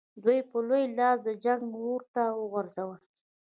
دوی په لوی لاس د جنګ اور ته وغورځول.